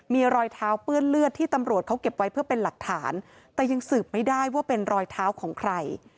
มีรอยเท้าเปื้อนเลือดที่ตำรวจเขาเก็บไว้เพื่อเป็นหลักฐานแต่ยังสืบไม่ได้ว่าเป็นรอยเท้าของใคร